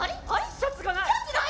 シャツがない！